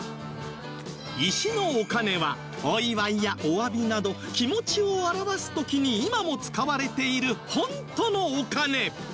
石のお金はお祝いやおわびなど気持ちを表す時に今も使われているホントのお金！